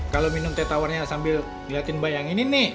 kalau minum teh tawarnya sambil ngeliatin bayangin ini nih